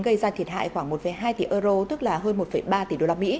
gây ra thiệt hại khoảng một hai tỷ euro tức là hơn một ba tỷ usd